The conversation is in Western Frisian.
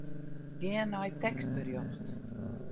Gean nei tekstberjocht.